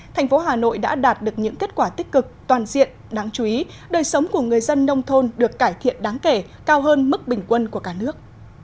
thành phố hà nội đã đạt được những kết quả tích cực toàn diện đáng chú ý đời sống của người dân nông thôn được cải thiện đáng kể cao hơn mức bình quân của cả nước